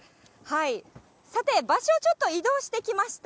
さて、場所をちょっと移動してきました。